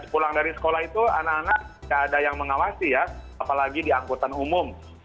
pulang dari sekolah itu anak anak tidak ada yang mengawasi ya apalagi di angkutan umum